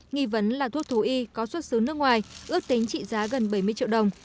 nghi vấn là thuốc thú y có xuất xứ nước ngoài ước tính trị giá gần bảy mươi triệu đồng